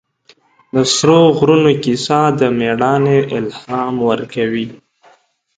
د سرو غرونو کیسه د مېړانې الهام ورکوي.